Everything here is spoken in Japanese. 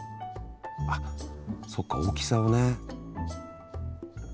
あっそっか大きさをね。